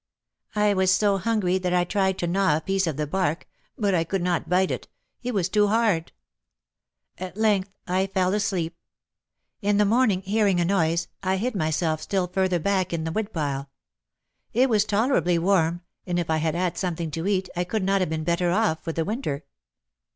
I was so hungry that I tried to gnaw a piece of the bark, but I could not bite it, it was too hard. At length I fell asleep. In the morning, hearing a noise, I hid myself still further back in the wood pile. It was tolerably warm, and, if I had had something to eat, I could not have been better off for the winter."